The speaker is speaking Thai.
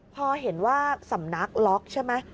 พอเห็นว่าสำนักล็อกใช่ไหม